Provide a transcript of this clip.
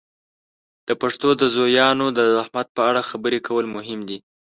د پښتو د زویانو د زحمت په اړه خبرې کول مهم دي.